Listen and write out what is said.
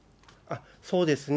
そうですね。